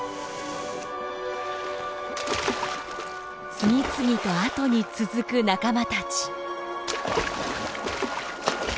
次々と後に続く仲間たち。